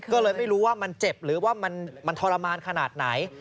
ก็เลยไม่รู้ว่ามันเจ็บหรือว่ามันทรมานขนาดไหน